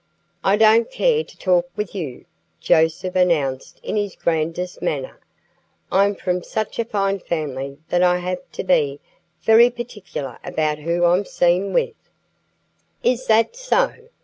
"I don't care to talk with you," Joseph announced in his grandest manner. "I'm from such a fine family that I have to be very particular about whom I'm seen with." "Is that so?"